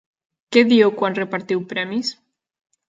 Què dieu quan repartiu premis?